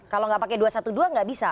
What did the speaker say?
kalau gak pakai dua ratus dua belas gak bisa